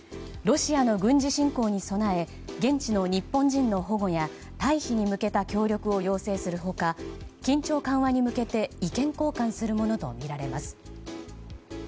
ロシアの軍事侵攻に備え現地の日本人の保護や退避に向けた協力を要請する他緊張緩和に向けて意見交換するものとみられます。